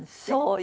そう。